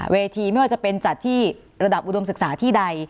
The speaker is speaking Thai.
ไม่ว่าจะเป็นจัดที่ระดับอุดมศึกษาที่ใด